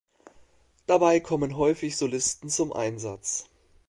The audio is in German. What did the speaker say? Dabei kommen häufig Solisten zum Einsatz.